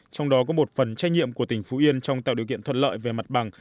trong đó có một phần trách nhiệm của tỉnh phú yên trong tạo điều kiện thuận lợi về mặt bằng